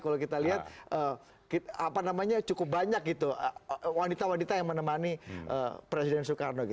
kalau kita lihat cukup banyak gitu wanita wanita yang menemani presiden soekarno